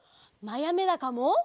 まやめだかも！